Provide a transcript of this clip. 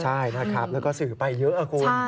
ใช่นะครับแล้วก็สื่อไปเยอะคุณ